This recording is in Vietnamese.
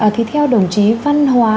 thì theo đồng chí văn hóa